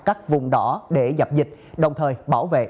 các vùng đỏ để dập dịch đồng thời bảo vệ